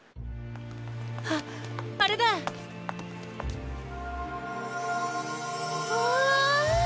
あっあれだ！わあ！